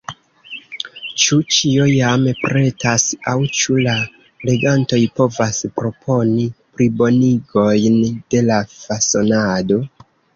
Ĉu ĉio jam pretas, aŭ ĉu la legantoj povas proponi plibonigojn de la fasonado?